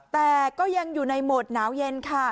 แต่ก็ยังอยู่ในโหมดหนาวเย็นค่ะ